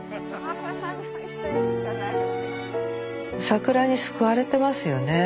桜に救われてますよね。